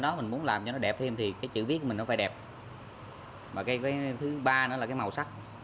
đó mình muốn làm cho nó đẹp thêm thì cái chữ viết mình nó phải đẹp mà cái thứ ba nữa là cái màu sắc